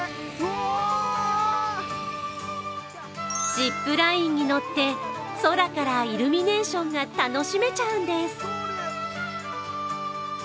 ジップラインに乗って、空からイルミネーションが楽しめちゃうんです。